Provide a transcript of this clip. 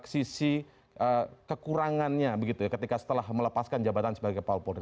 sisi kekurangannya begitu ya ketika setelah melepaskan jabatan sebagai paul polri